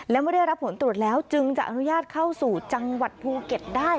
และไม่ได้รับผลตรวจแล้วจึงจะอนุญาตเข้าสู่จังหวัดภูเก็ตได้